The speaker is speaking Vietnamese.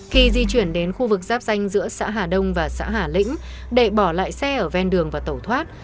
khi di chuyển đến khu vực giáp danh giữa xã hà đông và xã hà lĩnh đệ bỏ lại xe ở ven đường và tẩu thoát